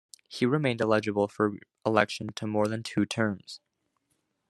He remained eligible for election to more than two terms.